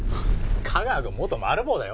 架川くん元マル暴だよ？